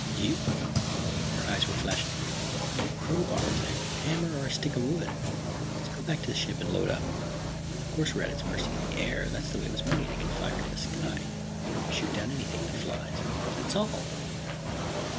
"You?" Her eyes were flashing. "With a crowbar. With a hammer or a stick of wood. Let's go back to the ship and load up. Of course we're at its mercy in the air: that's the way it was made. It can fire into the sky, shoot down anything that flies. But that's all!